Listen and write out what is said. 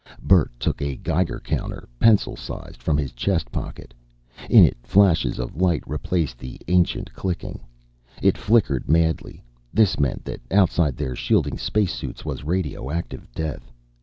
Bert took a Geiger counter, pencil size from his chest pouch. In it, flashes of light replaced the ancient clicking. It flickered madly. This meant that outside their shielding spacesuits was radioactive death.